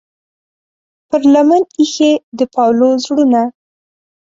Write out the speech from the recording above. پر لمن ایښې د پاولو زړونه